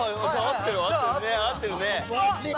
合ってる。